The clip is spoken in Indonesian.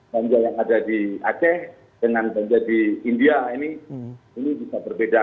banja yang ada di aceh dengan banja di india ini bisa berbeda